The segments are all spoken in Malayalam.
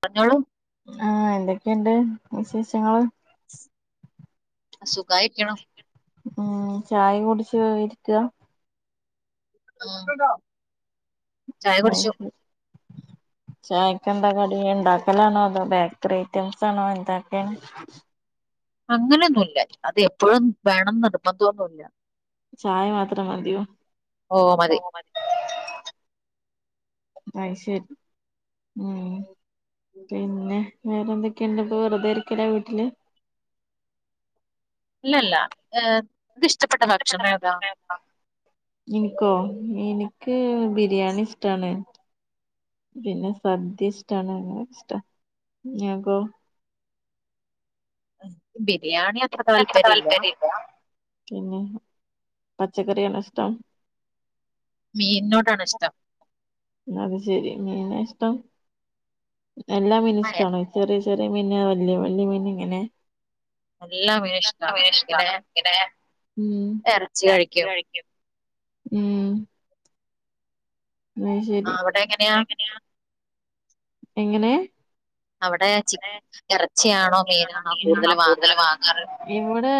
പറഞ്ഞോളൂ ആഹ് എന്തൊക്കെയുണ്ട് വിശേഷങ്ങള് സുഖായിരിക്കണു ഉം ചായക്കെ കുട്ച്ച് ഇര്ക്കാ ഉം ചായ ആഹ് കുടിച്ചു ശരി ചായെക്കെന്താ കടീ ണ്ടാക്കലാണോ അതോ ബേക്കറൈറ്റം സാണോ എന്താക്കെ അങ്ങനൊന്നുല്ല അത് എപ്പൊഴും വേണം നിർബന്ധൊന്നുല്ല ചായ മാത്രം മതിയോ ഓ മതി അയ്ശെരി ഉം പിന്നെ വേറെന്തൊക്കെണ്ട് പ്പം വെറ്തെര്ക്കെലാ വീട്ട്ൽ ഇല്ലല്ലാ ഏഹ് ത് ഇഷ്ടപ്പെട്ട ഭക്ഷണേതാ ഇൻക്കോ ഇന്ക്ക് ബിര്യാണിഷ്ടാണ് പിന്നെ സദ്യഷ്ടാണ് ഇഷ്ടാണ് യാക്കോ ബിരിയാണി അത്ര താല്പര്യം ഇല്ല പിന്നെ പച്ചക്കറിയാണോ ഇഷ്ടം മീന് നൊടാണ്ഷ്ടം അത് ശെരി മീനാ ഷ്ടം എല്ലാ മീനും അതെ ഷ്ടണോ ചെറ്യേ ചെറ്യേ മീനാ വല്ല്യ വല്ല്യ മീൻ എങ്ങനെ എല്ലാ മീനും ഇഷ്ടമാണ് പിന്നെ ഇറച്ചി കഴിക്കും [unintelligible] ഉം ഉം ആ, ശെരി അവിടെ എങ്ങനെയാ എങ്ങെനെ അവ്ടെ ചി എറച്ചിയാണോ ഇറച്ചിയാണോ മീനാണോ കൂട്തൽ കൂടുതൽ വാങ്ങാറ് ഇവിടെ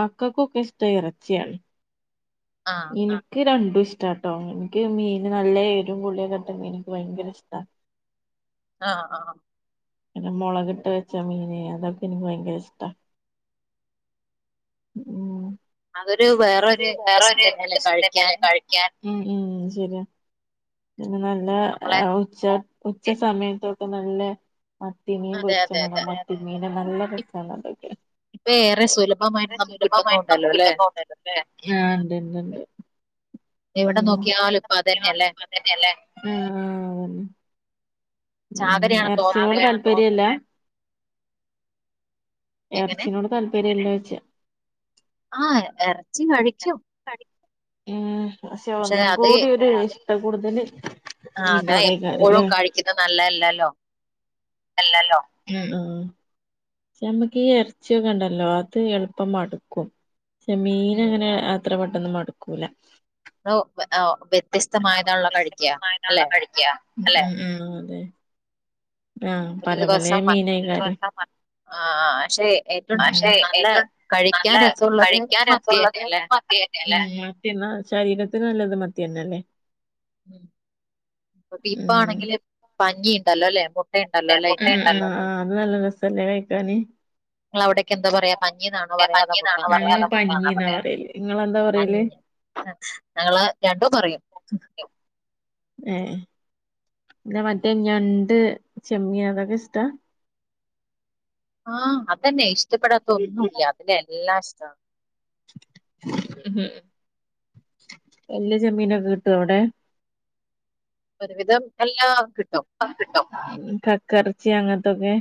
മക്കക്കൊക്കെഷ്ടം എറച്ചിയാണ് ആ ഇന്ക്ക് രണ്ടുഷ്ടാട്ടോ ഇൻക്ക് മീൻ നല്ല എരും പുള്യൊക്കെട്ട മീന് ഇൻക്ക് ഭയങ്കെരെഷ്ടാ ആഹ് ആഹ് പിന്നെ മൊളക്ട്ട് വെച്ച മീന് അതൊക്കെ ഇന്ക്ക് ഭയ്ങ്കെര ഇഷ്ടാ. അതൊരു വേ ത് വേറൊര് ഇഷ്ടേക്കാരലേ കഴിക്കാൻ ഉം ഉം ശെര്യാ പിന്നെ നല്ല നമ്മളെ ഉച്ച ഉച്ച സമയത്തൊക്കെ നല്ലെ മത്തിമീൻ അതെ പൊര്ച്ച അതെ മണം അതെ മത്തിമീനെ നല്ല രസാണതൊക്കെ ഇപ്പൊ ഏറെ സുലഭമായിട്ട് ഇത്രെ നമുക്ക് സുലഭമായിട്ട് കിട്ടുന്നുണ്ടല്ലോ നമുക്ക് അല്ലെ കിട്ടുന്നൊന്ന ഒന്നാണ് ആഹ് ണ്ട്ണ്ട് ണ്ട് എവിടെ ഉം നോക്കിയാലും ഇപ്പൊ അതന്നെയല്ലേ അതേലേ ആ ഉം ചാകരയാണെന്ന് എറ്ച്ചിനോട് തോന്നുന്നല്ലേ താല്പര്യല്ലാ. എങ്ങനെ എർച്ചിനോട് താല്പര്യല്ലേയ്ച്ചാ ആഹ് എർച്ചി കഴിക്കും. ഉം പക്ഷെ ഒന്നും കൂടി ഒര് ഇഷ്ടംകൂടുതല്. ആ അതാ എപ്പോഴും കഴിക്കുന്നെ നല്ലെല്ലല്ലോ? അല്ലല്ലോ ഉം ഉം ക്ഷെമ്മക്കീ എറ്ച്ചിഒക്കെണ്ടല്ലോ അത് എള്പ്പം മട്ക്കും. ക്ഷെ ഉം മീന്ങ്ങനെ അത്ര പെട്ടന്ന് മട്ക്കൂലാ. [unintelligible] കഴിക്കുക അല്ലെ വെത്യസ്തമായ്ട്ടുള്ളെ കഴിക്ക അല്ലെ. ഉം ആഹ് പല പലേ മീനേക്കാരം ആഹ് ക്ഷെ ആക്ഷെ ഏറ്റും നല്ലെ രസമുള്ളത് കഴിക്കാൻ മത്തി തന്നെ രസൊള്ളത് അല്ലെ മത്തിയാ ആ മത്തിന്നാ ശരീരത്തിന് നല്ലത് മത്ത്യെന്നെല്ലേ? ഉം അ ഉം ഇപ്പാണെങ്കില് പഞ്ഞി യിണ്ടല്ലോ അല്ലെ? ഉണ്ടല്ലോ അല്ലെ അതിന് ആ അത് നല്ല രസല്ലേ കഴിക്കാന്. ഇങ്ങളെ അവിടെക്കെന്താ പറ്യായ പഞ്ഞീന്നാ [unintelligible] നിങ്ങെന്താ പറയല് തന്നെ ഞങ്ങള് രണ്ടും പറയും. ഏ മറ്റേ ഞണ്ട് ചെമ്മിന് അതൊക്കെ ഇഷ്ടാ. ആ അതന്നെ ഇഷ്ടപ്പെടാത്ത ഒന്നുല്ല ഇക് എല്ലാം ഇഷ്ടണ്. മ് ഹ് വല്ല്യേ ചെമ്മീനൊക്കെ കിട്ട്വോ അവിടെ. ഒരുവിധം എല്ലാം കിട്ടും. കക്കറച്ചി അങ്ങത്തൊക്കെ.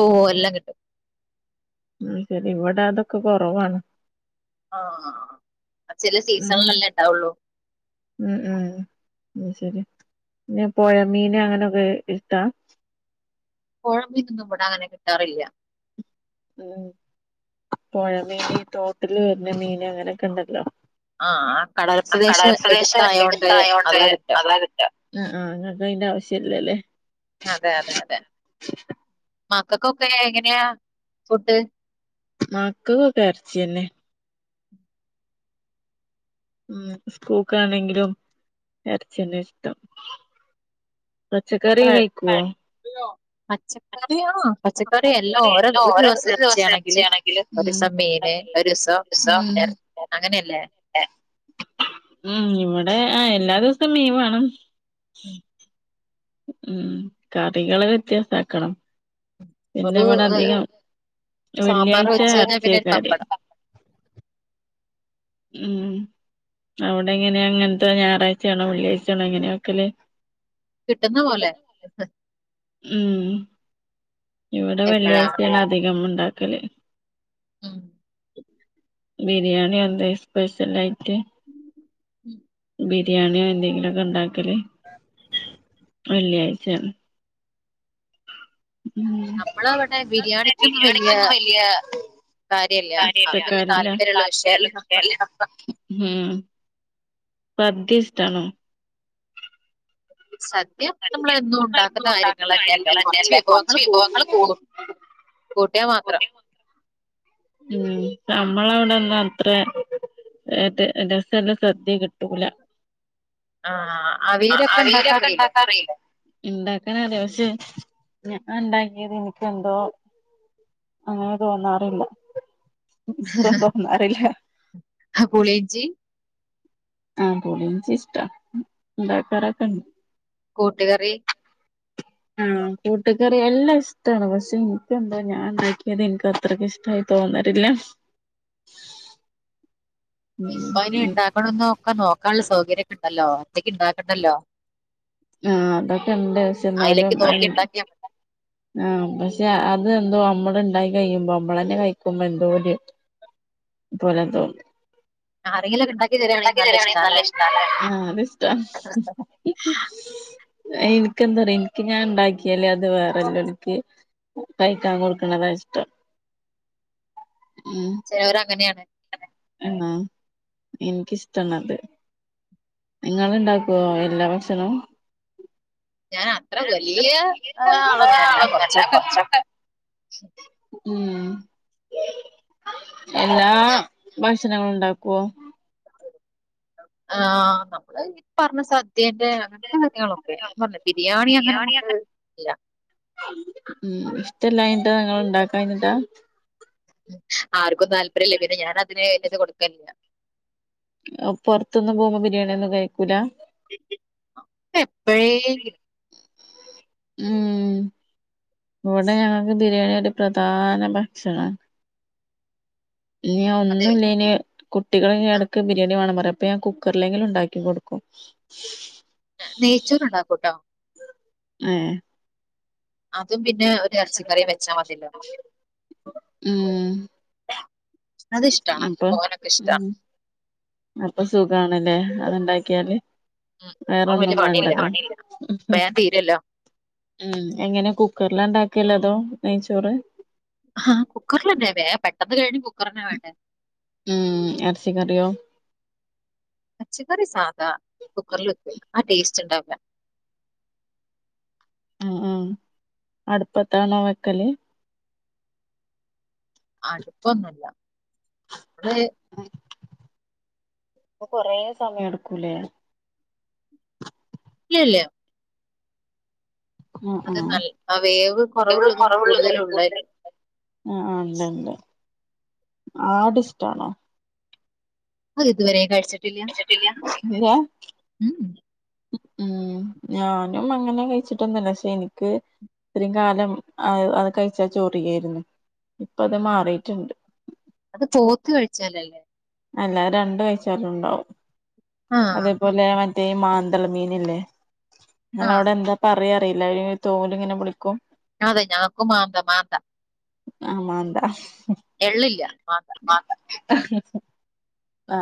ഓ എല്ലാം കിട്ടും. ഉ ശരി ഇവടെ അതൊക്കെ കൊറവാണ്. ആ ആ ചില ഉം സീസണ്ല്ല്ലേ ണ്ടാവുള്ളൂ. ഉം ഉം ശരി പൊയമീന് അങ്ങനെ എ ഇഷ്ടാ പൊഴ മീനൊന്നും ഇവിടെഅങ്ങനെ കിട്ടാറില്ല. ഉം പൊഴമീന് ഈ തോട്ടില് വര്ന മീന് അങ്ങനെക്കെ ണ്ടല്ലോ? ആഹ് കടൽ ആ പ്രദേശം കടൽപ്രദേശം എടുത്തായോണ്ട് അതാ കിട്ടാ അതാ കിട്ട. ആ ആ് ഇങ്ങക്ക് അയ്ന്റെവശ്യം ഇല്ലല്ലേ? അതെ അതെ അതെ മക്കക്കൊക്കെ എങ്ങനെയാ ഫുഡ്. മക്കക്കൊക്കെ എറച്ചിയെന്നെ മ് ഇസ്കൂക്കാണെങ്കിലും എറച്ചിയെന്നെ ഇഷ്ടം. മുട്ട പച്ചക്കറീ കഴി- കയ്ക്ക്വൊ? പച്ചക്കറി അആഹ് പച്ചക്കറിയെല്ലം പച്ചക്കറി ഓരോ എല്ലാം ഒരു ദിവസം എറച്ചിയാണെങ്കില് ഉം ഒരുസം ഒരു ദിവസം മീന് ഒരുസം ഒരു ദിവസം എർ മുട്ട അങ്ങനെല്ലേ? ഉം ഇവടെ ആഹ് എല്ലാ ദിവസം മീൻ വാണം. ഉം ഉം കറികളെ വ്യത്യസ്ഥാക്കണം. പിന്നെവെട ഒരു അധികം സാമ്പാർ വെള്ളിയാഴ്ച വെച്ച് കഴിഞ്ഞാൽ പിന്നെ ഒരു എറച്ചിയേക്കാരേ പപ്പടം ഉം. അവ്ടെങ്ങനെ അങ്ങൻത്തെ ഞായറായ്ച്ചേണോ വെള്ളിയായ്ചേണോ എങ്ങനെ വെക്കല്. കിട്ടുന്ന പോലെ ഉം ഇവടെ എപ്പോഴാണ് വെള്ളിയായ്ച്ചേണധികം ണ്ടാക്കല്. ഉം ബിരിയാണി എന്തേ സ്പെഷ്യലായിറ്റ് ഉം. ബി രിയാണിയോ എന്തെങ്കിലൊക്കെ ണ്ടാക്കല് വെള്ളിയായ്ച്ചേണ്. ഉം ന്നാ [unintelligible] ബിരിയാണിക്കൊന്നും വലിയ കാര്യമല്ല അത് കാര്യായിട്ടില്ല. ട്ട് വലിയ കാര്യല്ല. അപ്പപ്പിന്നെ താല്പര്യമുള്ള താല്പര്യള്ള വിഷയമല്ല വിഷയല്ല ഹും സദ്യ ഷ്ടാണോ? സദ്യ സദ്യ നമ്മളെന്നും നമ്മളെന്നുണ്ടാക്കുന്ന ഉണ്ടാക്കുന്ന കാര്യങ്ങളെന്നെല്ലേ കൊറച്ച് കാര്യങ്ങളന്നെല്ലേ വിഭവങ്ങൾ കൂ കൂ കൂട്ടും കൂട്ട്യാ മാത്രം. കൂട്ടി ഉം ഞമ്മളവിടന്നാ അത്രെ ഏഹ് ത്ത് രസല്ല സദ്യ കിട്ടൂല. ആഹ് ആഹ് അവി ആഹ് അവീയിലൊക്കെ ഇണ്ടാക്കാ അറീല്ലേ ഇണ്ടാക്കാനറിയ പക്ഷെ ഞാൻണ്ടാക്കിയത് ഇനിക്കെന്തോ അങ്ങനെ തോന്നാറില്ല ഇഷ്ടം തോന്നാറില്ല. ഹാ പുളിഞ്ചി ആഹ് പുളിഞ്ചിഷ്ടാ ഇണ്ടാക്കാറൊക്കെൺ കൂട്ട്കറി ആഹ് കൂട്ട്കറി എല്ലും ഇഷ്ടാണ് പക്ഷെ ഇൻക്കെന്താ ഞാൻണ്ടാക്കിയത് ഇൻക്ക് അത്രക്ക്ഷ് ട്ടായി തോന്നലില്ല. ഉം ഇപ്പയിന് ഉം ഇണ്ടാക്കണംന്നൊക്ക നോക്കാള്ള സൗകര്യൊക്കെണ്ടല്ലോ ഒറ്റയ്ക്ക് ഇണ്ടാക്കണ്ടല്ലോ. ആഹ് അതൊക്കെ ണ്ട് പക്ഷെ ഇന്നാലും നോക്കി [unintelligible] ഉണ്ടാക്കിയാൽ മതി ആഹ് പക്ഷെ അത് എന്തോ നമ്മള് ഇണ്ടായി കഴിയുമ്പോ നമ്മളെന്നെ കഴിക്കുമ്പോ എന്തോ ഒര് പോലെ തോന്നും. ആരെങ്കിലൊക്കെ [unintelligible] ണ്ടാക്കി തരാണെങ്കി നല്ല ഇഷ്ടാ ല്ലേ ആഹ് അത് ഇഷ്ടാ. ഇൻക്ക് എന്താ അറിയോ ഇൻക്ക് ഞാൻ ഇണ്ടാക്ക്യാല് അത് വേറെല്ലോൽക്ക് കഴിക്കാൻ കൊടുക്ക്ണതാ ഇഷ്ടം. ചെലോര് അങ്ങന്യാണ്. ആഹ് ഇൻക്കിഷ്ടണത്. ഇങ്ങള് ഇണ്ടാക്കുവോ എല്ലാ ഭക്ഷണും? അത്ര ഞാൻ വലിയ [unintelligible] വലിയ ആളൊന്നുമല്ല ആളൊന്നല്ല കുറച്ചൊക്കെ കൊർച്ചൊക്കെ ഉം എല്ലാ ഞാ- ഭക്ഷണങ്ങളും ഉണ്ടാക്കുവോ? ആഹ് നമ്മള് ഇപ്പറഞ്ഞ സദ്യേൻ്റെ അങ്ങനത്തെ കാര്യങ്ങളൊ ഏ ന്ന് പറഞ്ഞ ബിരിയാണി അങ്ങനെ അങ്ങോട്ട് ഇല്ല ഉം ഇഷ്ല്ലാഞ്ഞിട്ടാ നിങ്ങൾ ഉണ്ടാക്കാഞ്ഞിട്ടാ ഉം ആർക്കും താല്പര്യല്ല പിന്നെ ഞാൻ അതിന് ഒരിത് കൊടുക്കലില്ല അപ്പൊ പുറത്തൊന്നും പോകുമ്പോ ബിരിയാണി ഒന്നും കഴിക്കൂല എപ്പെഴേങ്കില് ഉം ഇവിടെ ആകെ ബിരിയാണിയൊരു പ്രധാന ഭക്ഷണ നീ അത് ഒന്നു ഇല്ലെല് കുട്ടികള് ആ, എടക്ക് ബിരിയാണി വേണം പറയും അപ്പൊ ഞാൻ കുക്കറിലെങ്കിലും ഉണ്ടാക്കി കൊടുക്കും ആ നെയ്ചോറ് ഉണ്ടാക്കൂട്ടോ ഏ അതും പിന്നെ ഒരു എറച്ചിക്കറി വെച്ചാ മതിയല്ലോ അത് ഉം ഇഷ്ടമാണ് അപ്പൊ മോനൊക്കെ ഇഷ്ടമാണ് ഉം അപ്പൊ സുഖാണല്ലേ അത്ണ്ടാക്കിയാല് അത് വലിയ വേറൊന്നും പണിയില്ല വേണ്ടല്ലോ വേഗം തീരല്ലോ ഉം എങ്ങനെ കുക്കറില ഇണ്ടാക്കല് അതോ നെയ്ച്ചോറ് ആ കുക്കറിലെന്നെ വേം പെട്ടെന്ന് കഴിഞ്ഞ് കുക്കറന്നെ വേണ്ടേ ഉം എറച്ചി കറിയോ? എറച്ചിക്കറി സാദാ കുക്കറിൽ വെക്കോയ് ആ ടേസ്റ്റ് ഉണ്ടാവില്ല ആ ആ അടുപ്പത്താണോ വെക്കല്? അടുപ്പൊന്നുല്ല മ്മള് പ്പൊ കൊറേ സമയം എടുക്കൂലേ? ഇല്ലല്ല്യ അ അത് ആ നല്ല ആ വേവ് വേവ് കുറവുള്ളതും കൊറവുള്ളതും കൂടുത കൂടുതലുള്ളതില്ലേ അ ആ ഇണ്ട്ണ്ട് ആടിഷ്ടാണോ? അത് ഇതുവരെ കഴിച്ചി കഴിച്ചിട്ടില്ല്യ ഇല്ല ഉം. ഉ ഉം ഞാനും അങ്ങനെ കഴിച്ചിട്ടൊന്നുമില്ല പക്ഷെ എനിക്ക് ഇത്രയും കാലം അ അത് കഴിച്ചാ ചൊറിയായിരുന്നു ഇപ്പ അത് ആഹ് മാറിട്ടുണ്ട് അത് പോത്ത് കഴിച്ചാലല്ലേ? അല്ല രണ്ട് കഴിച്ചാലും ഉണ്ടാവും ആഹ് അതേപോലെ മറ്റേ മാന്തൾ മീനില്ലേ ആഹ് നിങ്ങളവിടെ എന്താ? പറയാ അറിയില്ല ഈ തോലിങ്ങനെ പൊളിക്കും അതെ ഞങ്ങക്ക് മാന്തമാന്താ ആ മാന്താ മാന്ത ആ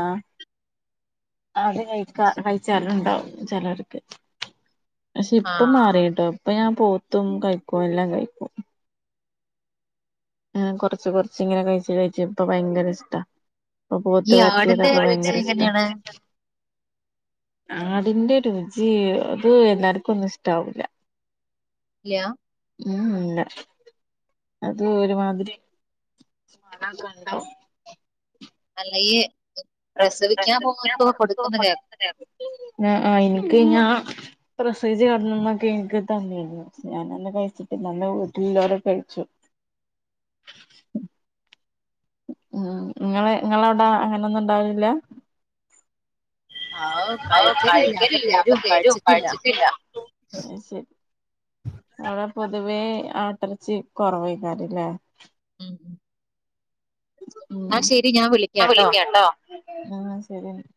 അത് കഴിക്കാ കഴിച്ചാലുണ്ടാവും ചിലർക്ക് പക്ഷെ ഇപ്പം ആഹ്. മാറിട്ടോ ഇപ്പൊ ഞാൻ പോത്തും കഴിക്കും എല്ലാം കഴിക്കും ആ കൊറച്ച് കൊറച്ച് ഇങ്ങനെ കഴിച്ചു കഴിച്ചു ഇപ്പ ഭയങ്കര ഇഷ്ടാ ഇപ്പൊ ഈ പോത്ത് ആടിന്റെ വരട്ടിയതൊക്കെ രുചി ഭയങ്കര ഇഷ്ട എങ്ങനെയാണ്? ആടിന്റെ രുചി അത് എല്ലാർക്കൊന്നും ഇഷ്ടാവൂല ഇല്ല്യാ ഊ ഉം ഇല്ല അത് ഒരുമാതിരി മണതാണ് ലേ അല്ല ഇയ്യ് പ്രസവിക്കാൻ പോവാത്തോ കൊടുക്കുന്നു കേ ആ ആ ഇൻക്ക് ഞാ പ്രസവിച്ചേടന്നന്ന്‌ ഇൻക്ക് തന്നിരുന്നു ക്ഷേ ഞാനന്ന് കയിച്ചിട്ടില്ല അന്ന് വീട്ടിലുള്ളോരൊക്കെ കയിച്ചു ഉം നിങ്ങള് നിങ്ങളവിടെ അങ്ങനെയൊന്നുംണ്ടാവലില്ല ആവ് കയിക്കലില്ല ക്കതെരും കയിച്ചിട്ടില്ല അയ് ശരി അടെ പൊതുവേ ആട്ടർച്ചി കൊറവെയ് ക്കാരംല്ലേ ഉം എന്നാ ശരി ഞാൻ പ്പാ വിളിക്കാട്ടോ. വിളിയ്ക്കട്ടോ ആഹ് ശരിന്ന